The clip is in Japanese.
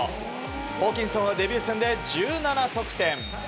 ホーキンソンはデビュー戦で１７得点。